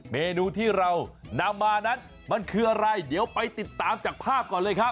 เมนูที่เรานำมานั้นมันคืออะไรเดี๋ยวไปติดตามจากภาพก่อนเลยครับ